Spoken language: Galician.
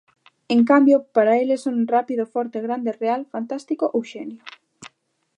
En cambio, para eles son 'rápido', 'forte', 'grande', 'real', 'fantástico' ou 'xenio'.